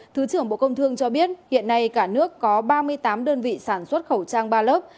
thứ trưởng bộ công thương cho biết hiện nay cả nước có ba mươi tám đơn vị sản xuất khẩu trang ba lớp